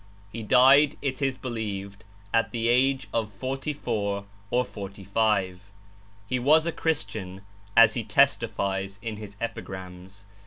He died, it is believed, at the age of forty four or forty five. He was a Christian, as he testifies in his epigrams.